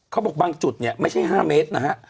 เขาบอกบางจุดเนี่ยไม่ใช่๕เมตรนะฮะ